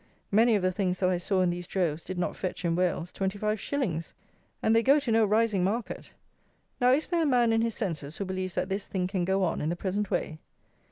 Many of the things that I saw in these droves did not fetch, in Wales, 25_s._ And they go to no rising market! Now, is there a man in his senses who believes that this THING can go on in the present way?